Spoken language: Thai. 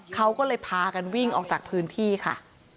เขาก็เลยพากันวิ่งออกจากพื้นที่ค่ะ